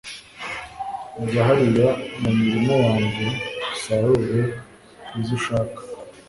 jya hariya mu mirima yanjye usarure izushaka